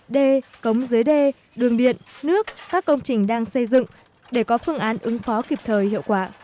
d cống dưới đê đường điện nước các công trình đang xây dựng để có phương án ứng phó kịp thời hiệu quả